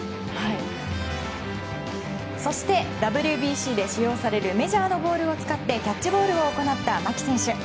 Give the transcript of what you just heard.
そしてＷＢＣで使用されるメジャーのボールを使ってキャッチボールを行った牧選手。